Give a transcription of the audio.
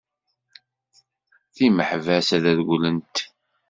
Timeḥbas ad rewwlent!